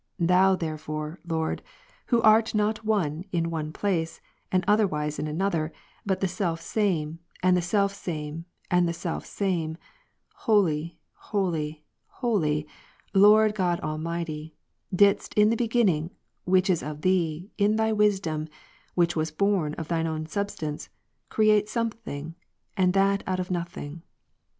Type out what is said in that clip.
Thou therefore, Lord, Who art not one in one place, and otherwise in another, but the Self same^, and the Self same, and the Self same, Hohj, Holy, Holy, Lord God Almighty, didst in the Beginning, which is of Thee, in Thy Wisdom, which was born of Thine own Substance, create something, and that out of nothing.